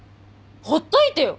ほっといてよ！